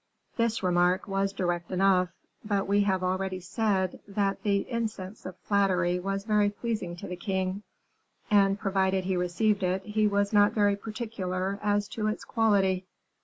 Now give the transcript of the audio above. This remark was direct enough. But we have already said that the incense of flattery was very pleasing to the king, and, provided he received it, he was not very particular as to its quality.